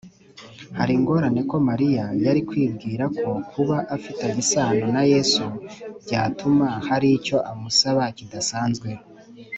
Hari ingorane ko Mariya yari kwibwira ko kuba afitanye isano na Yesu byatuma hari icyo amusaba kidasanzwe